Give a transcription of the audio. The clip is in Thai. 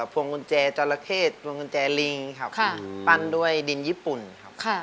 พวงกุญแจจราเข้พวงกุญแจลิงครับปั้นด้วยดินญี่ปุ่นครับ